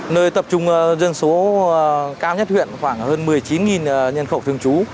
nơi tập trung dân số cao nhất huyện khoảng hơn một mươi chín nhân khẩu thường trú